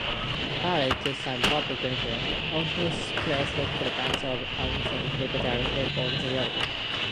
Parallel to Sub Pop Glitterhouse also placed products of Amphetamine Reptile Records in Europe.